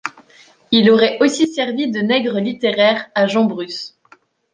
Il aurait aussi servi de nègre littéraire à Jean Bruce.